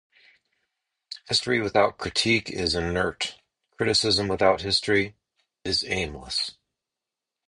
History without critique is inert; criticism without history is aimless.